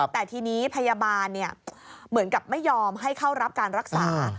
แต่ทีนี้พยาบาลเหมือนกับไม่ยอมให้เข้ารับการรักษา